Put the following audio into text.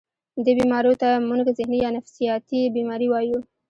دې بيمارو ته مونږ ذهني يا نفسياتي بيمارۍ وايو